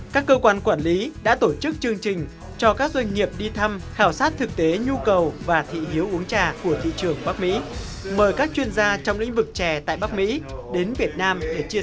các cơ quan quản lý đã tổ chức chương trình cho các doanh nghiệp đi thăm khảo sát thực tế nhu cầu và thị hiếu uống trà của việt nam